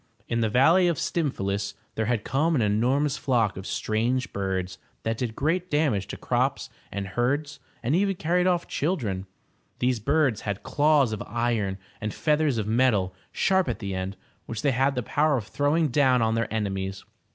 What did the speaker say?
In the valley of Stym phalus there had come an enormous flock of strange birds that did great damage to crops and herds, and even carried off children. These birds had claws of iron, and feathers of metal, sharp at the end, which they had the power of throwing down on their enemies.